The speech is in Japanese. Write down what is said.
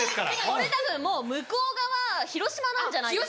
これたぶん向こう側広島なんじゃないですか？